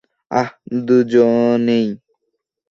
আহ, দুজনেই।